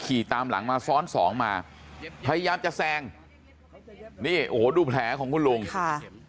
ขี่ตามหลังมาซ้อนสองมาพยายามจะแซงนี่โอ้โหดูแผลของคุณลุงค่ะ